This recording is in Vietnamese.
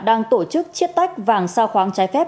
đang tổ chức chiết tách vàng sao khoáng trái phép